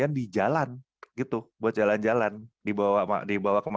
yang satu akan jadinya mesin yang bisa othersmesege player di rumah